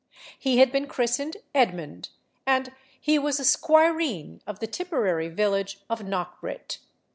He had been christened Edmund, and he was a squireen of the Tipperary village of Knock brit.